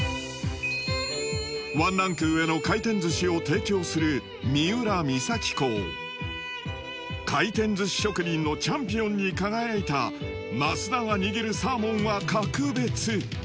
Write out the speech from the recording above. ワンランク上の回転寿司を提供する三浦三崎港回転寿司職人のチャンピオンに輝いた増田が握るサーモンは格別！